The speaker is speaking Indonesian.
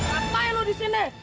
apa yang lu disini